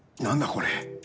これ。